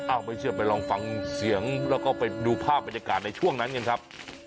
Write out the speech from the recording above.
ไม่เชื่อไปลองฟังเสียงแล้วก็ไปดูภาพบรรยากาศในช่วงนั้นกันครับ